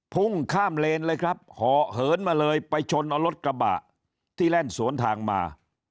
พุ่งข้ามเลนเลยครับห่อเหินมาเลยไปชนเอารถกระบะที่แล่นสวนทางมา